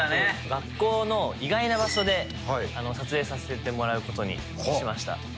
学校の意外な場所で撮影させてもらうことにしました。